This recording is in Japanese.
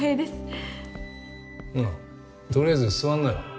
ああとりあえず座んなよ。